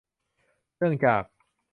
เนื่องจาก